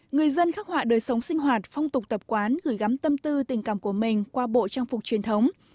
người dân khắc họa đời sống sinh hoạt phong tục tập quán gửi gắm tâm tư tình cảm của mình qua bộ trang phục truyền thống